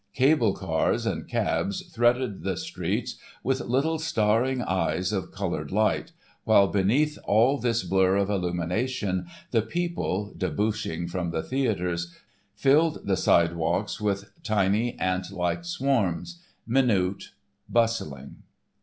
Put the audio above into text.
Cable cars and cabs threaded the streets with little starring eyes of coloured lights, while underneath all this blur of illumination, the people, debouching from the theatres, filled the sidewalks with tiny ant like swarms, minute, bustling.